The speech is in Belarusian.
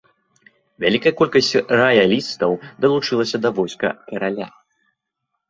Вялікая колькасць раялістаў далучылася да войска караля.